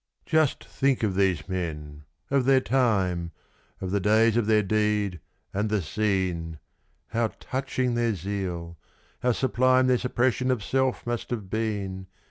Just think of these men of their time of the days of their deed, and the scene! How touching their zeal how sublime their suppression of self must have been!